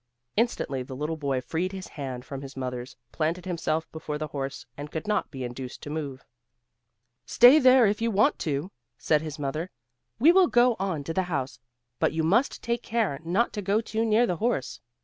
Instantly the little boy freed his hand from his mother's, planted himself before the horse, and could not be induced to move. "Stay there then, if you want to," said his mother, "we will go on to the house; but you must take care not to go too near the horse."